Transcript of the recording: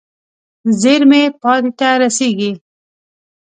زېرمې پای ته رسېږي.